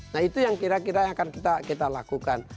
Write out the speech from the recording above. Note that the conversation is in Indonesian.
nah itu yang kira kira yang akan kita lakukan